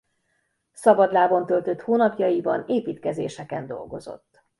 Szabadlábon töltött hónapjaiban építkezéseken dolgozott.